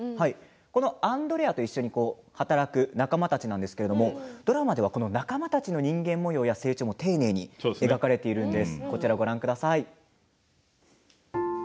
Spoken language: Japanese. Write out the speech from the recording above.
アンドレアと一緒に働く仲間たちなんですけれどドラマではこの仲間たちの人間もようや成長も丁寧に描かれています。